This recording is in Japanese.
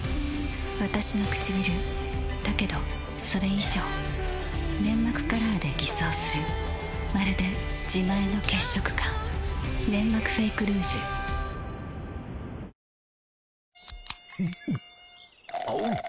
わたしのくちびるだけどそれ以上粘膜カラーで偽装するまるで自前の血色感「ネンマクフェイクルージュ」「ヴィセ」